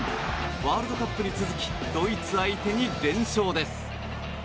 ワールドカップに続きドイツ相手に連勝です。